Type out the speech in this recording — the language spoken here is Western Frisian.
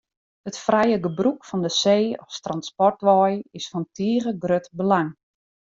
It frije gebrûk fan de see as transportwei is fan tige grut belang.